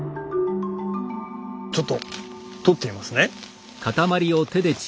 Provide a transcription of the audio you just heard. ちょっととってみますね。